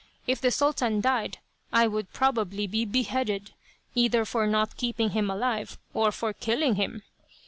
If the Sultan died I would probably be beheaded, either for not keeping him alive, or for killing him.